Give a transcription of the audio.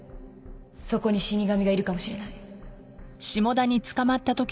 そこに死神がいるかもしれない